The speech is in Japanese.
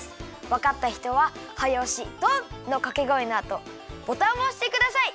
わかった人は「はやおしドン！」のかけごえのあとボタンをおしてください。